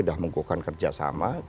sudah mengukuhkan kerjasama